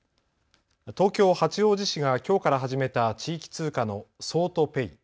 東京八王子市がきょうから始めた地域通貨の桑都ペイ。